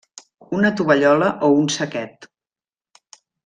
Una tovallola o un saquet.